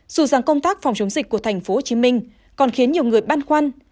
dù rằng công tác phòng chống dịch của tp hcm còn khiến nhiều người băn khoăn